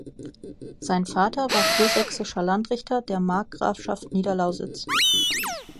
Sein Vater war kursächsischer Landrichter der Markgrafschaft Niederlausitz.